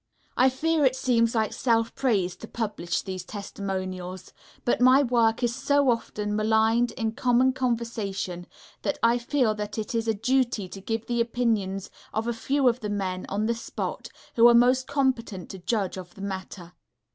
I fear it seems like self praise to publish these "testimonials," but my work is so often maligned in common conversation, that I feel that it is a duty to give the opinions of a few of the men on the spot, who are most competent to judge of the matter.